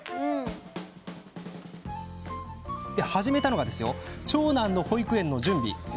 始めたのは長男の保育園の準備。